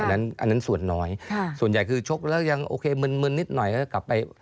อันนั้นส่วนน้อยส่วนใหญ่คือชกแล้วยังโอเคมึนนิดหน่อยก็จะกลับไป